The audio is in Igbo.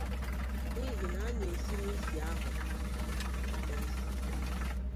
n'ihi a na-esi n'isi ahụrụ wee mara ụtọ nsị.